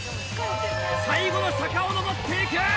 最後の坂を上っていく！